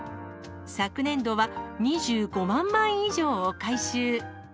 昨年度は２５万枚以上を回収。